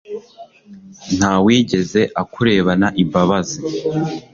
nta wigeze akurebana imbabazi